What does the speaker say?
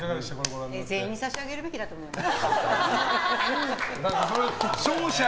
やっぱり全員に差し上げるべきだと思います。